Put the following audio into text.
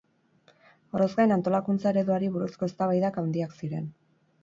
Horrez gain, antolakuntza ereduari buruzko eztabaidak handiak ziren.